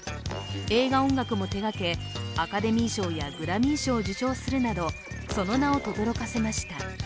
映画音楽も手がけアカデミー賞やグラミー賞を受賞するなどその名をとどろかせました。